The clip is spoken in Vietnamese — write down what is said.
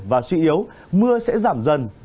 và suy yếu mưa sẽ giảm dần